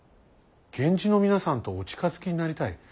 源氏の皆さんとお近づきになりたい。